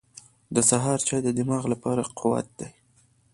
• د سهار چای د دماغ لپاره قوت دی.